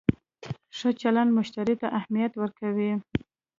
ښه چلند مشتری ته اهمیت ورکوي.